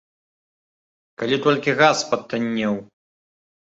Калі толькі газ патаннеў!